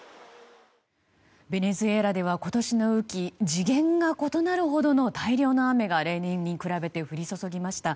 ベネズエラでは今年の雨季次元が異なるほどの大量の雨が例年に比べて降り注ぎました。